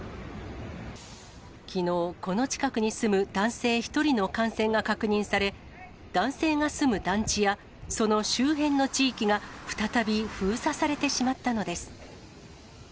きのう、この近くに住む男性１人の感染が確認され、男性が住む団地やその周辺の地域が、再び封鎖されてしまったのです。